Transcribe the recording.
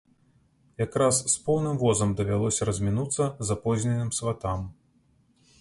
Якраз з поўным возам давялося размінуцца запозненым сватам.